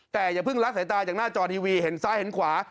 แต่อย่าเพิ่งละสายตาจากหน้าจอทีวีเห็นซ้ายเห็นขวา